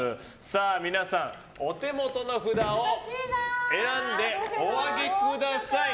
皆さん、お手元の札を選んでお上げください。